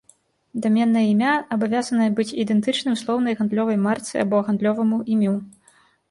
Даменнае імя абавязанае быць ідэнтычным слоўнай гандлёвай марцы або гандлёваму імю.